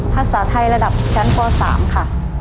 ภาษาไทยระดับชั้นป๓ค่ะ